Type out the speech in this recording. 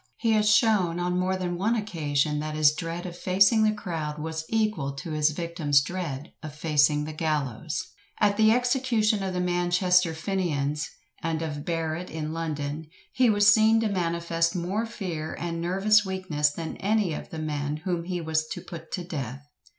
He has shown, on more than one occasion, that his dread of facing the crowd was equal to his victim's dread of facing the gallows. At the execution of the Manchester Fenians, and of Barrett in London, he was seen to manifest more fear and nervous weakness than any of the men whom he was to put to death.